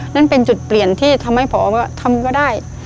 นั่นเป็นจุดเปลี่ยนที่ทำให้พอทำก็ได้